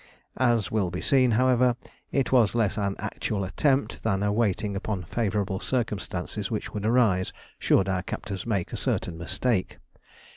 As will be seen, however, it was less an actual attempt than a waiting upon favourable circumstances which would arise should our captors make a certain mistake.